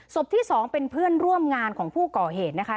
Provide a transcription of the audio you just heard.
ที่๒เป็นเพื่อนร่วมงานของผู้ก่อเหตุนะคะ